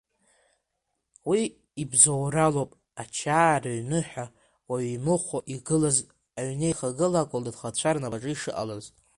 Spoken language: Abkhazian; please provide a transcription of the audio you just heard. Уи ибзоуралоуп Ачаа рыҩны ҳәа уаҩ имыхәо игылаз аҩнеихагыла аколнхацәа рнапаҿы ишыҟалаз.